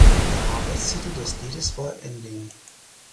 Der Arbeitstitel des Liedes war "Ending".